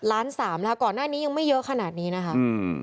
ล้านสามแล้วก่อนหน้านี้ยังไม่เยอะขนาดนี้นะคะอืม